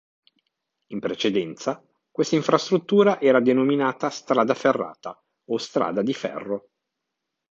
In precedenza questa infrastruttura era denominata "strada ferrata" o "strada di ferro".